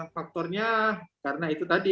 faktornya karena itu tadi